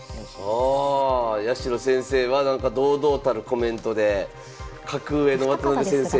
ああ八代先生は堂々たるコメントで格上の渡辺先生に。